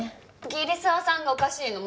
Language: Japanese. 桐沢さんがおかしいの。